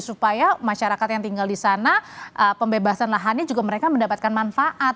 supaya masyarakat yang tinggal di sana pembebasan lahannya juga mereka mendapatkan manfaat